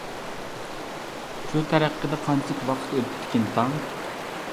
شۇ تەرىقىدە قانچىلىك ۋاقىت ئۆتتىكىن تاڭ.